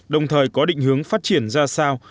đồng thời có định hướng phát triển ra sao